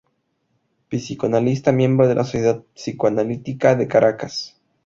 Psicoanalista miembro de la Sociedad Psicoanalítica de Caracas.